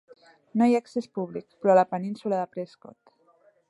No hi ha accés públic, però, a la península de Prescott.